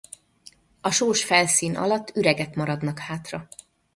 A sós felszín alatt üregek maradnak hátra.